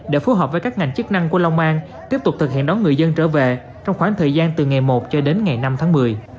để phù hợp với các ngành chức năng của long an tiếp tục thực hiện đón người dân trở về trong khoảng thời gian từ ngày một cho đến ngày năm tháng một mươi